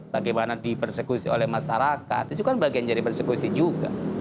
bagaimana dipersekusi oleh masyarakat itu kan bagian dari persekusi juga